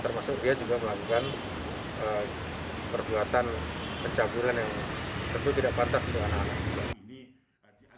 termasuk dia juga melakukan perbuatan pencabulan yang tentu tidak pantas untuk anak anak